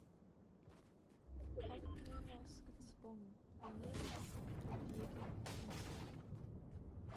Komnenos gezwungen, Venedigs Privilegien anzuerkennen.